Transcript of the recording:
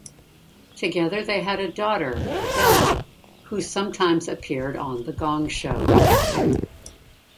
Together they had a daughter, Della, who sometimes appeared on "The Gong Show".